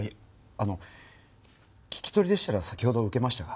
あの聞き取りでしたら先ほど受けましたが。